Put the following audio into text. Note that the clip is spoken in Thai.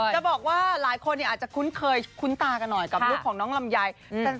จะบอกว่าหลายคนอาจจะคุ้นเคยคุ้นตากันหน่อยกับลูกของน้องลำไย